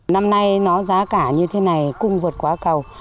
năm nay nó giá cả như thế này cung vượt quá cầu